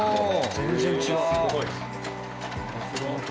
全然違う。